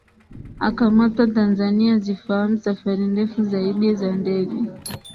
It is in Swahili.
akamatwa Tanzania Zifahamu safari ndefu zaidi za ndege